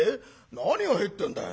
何が入ってんだい？